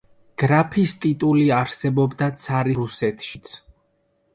გრაფის ტიტული არსებობდა ცარისტულ რუსეთშიც.